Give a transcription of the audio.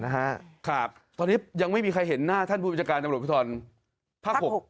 อ๋อค่ะค่ะตอนนี้ยังไม่มีใครเห็นหน้าท่านผู้บิจการจังหลบพิธรรมภาคหก